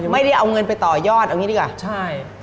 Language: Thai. ไม่ได้เอาเงินไปต่อยอดเอางี้ดีกว่าใช่